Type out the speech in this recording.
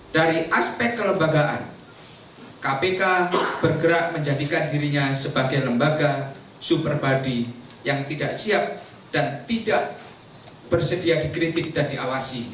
dari aspek kelembagaan kpk bergerak menjadikan dirinya sebagai lembaga super body yang tidak siap dan tidak bersedia dikritik dan diawasi